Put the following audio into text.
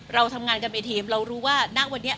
เราทำงานกันเป็นทีมเรารู้ว่าณวันนี้